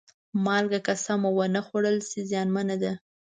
مالګه که سمه ونه خوړل شي، زیانمنه ده.